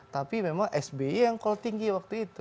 tapi memang sby yang call tinggi waktu itu